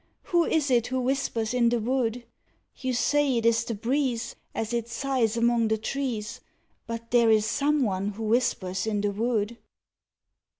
Who is it who whispers in the wood? You say it is the breeze As it sighs among the trees, But there's some one who whispers in the wood.